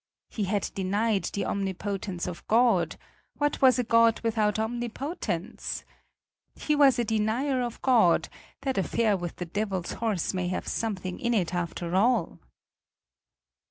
He had denied the omnipotence of God; what was a God without omnipotence? He was a denier of God; that affair with the devil's horse may have something in it after all!